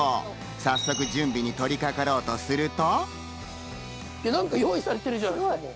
早速、準備に取りかかろうとすると。